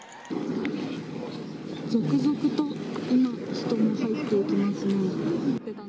続々と今、人が入っていきますね。